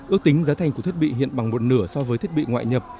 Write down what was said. ước tính giá thành của thiết bị hiện bằng một nửa so với thiết bị ngoại nhập